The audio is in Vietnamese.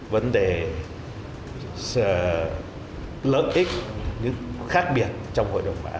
vấn đề lợi ích nhưng khác biệt trong hội đồng bảo an rất lớn